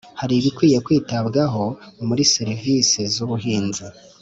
Hari Ibikwiye kwitabwaho muri serivisi z ‘ubuhinzi .